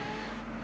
hai aku dimana nih